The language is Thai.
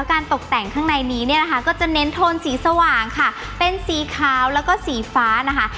การตกแต่งข้างในนี้เนี่ยนะคะก็จะเน้นโทนสีสว่างค่ะเป็นสีขาวแล้วก็สีฟ้านะคะ